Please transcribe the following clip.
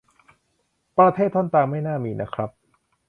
ประเทศต้นทางไม่น่ามีนะครับ